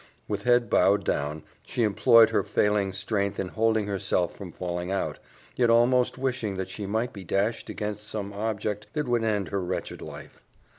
With head bowed down, she employed her failing strength in holding herself from falling out, yet almost wishing that she might be dashed against some object that would end her wretched life.